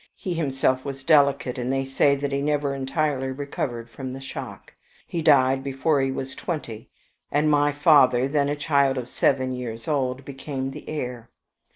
He himself was delicate, and they say that he never entirely recovered from the shock. He died before he was twenty, and my father, then a child of seven years old, became the heir.